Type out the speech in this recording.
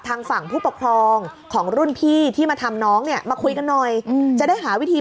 ทางฝั่งผู้ปกครองของรุ่นพี่ที่มาทำน้องเนี่ยมาคุยกันหน่อยจะได้หาวิธี